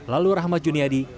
lalu rahmat juniadi